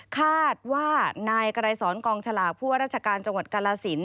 คาดว่านายไกรสอนกองฉลากผู้ว่าราชการจังหวัดกาลสิน